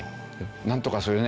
なんとかそういうね